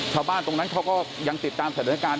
ชาวบ้านตรงนั้นเขาก็ยังติดตามสถานการณ์